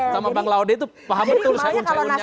sama bang laude itu paham betul ceyun ceyunnya apa